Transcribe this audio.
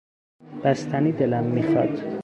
بستنی دلم میخواد.